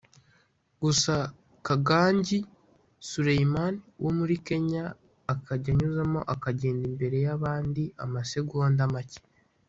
gusa Kangangi Suleiman wo muri Kenya akajya anyuzamo akagenda imbere y’abandi amasegonda make